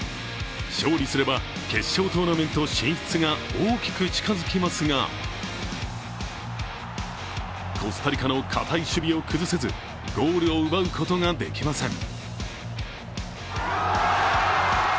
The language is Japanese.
勝利すれば決勝トーナメント進出が大きく近づきますがコスタリカの堅い守備を崩せずゴールを奪うことができません。